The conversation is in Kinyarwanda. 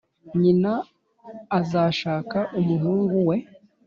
nyina azashaka umuhungu we;